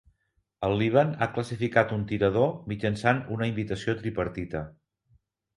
El Líban ha classificat un tirador mitjançant una invitació tripartita.